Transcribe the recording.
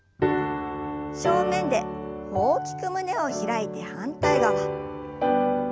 正面で大きく胸を開いて反対側。